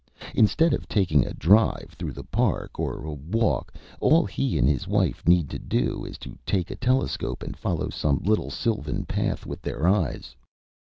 Instead of taking a drive through the Park, or a walk, all he and his wife need to do is to take a telescope and follow some little sylvan path with their eyes.